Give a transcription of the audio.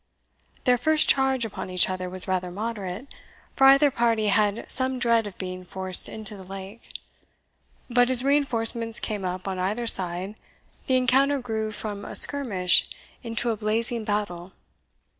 Their first charge upon each other was rather moderate, for either party had some dread of being forced into the lake. But as reinforcements came up on either side, the encounter grew from a skirmish into a blazing battle.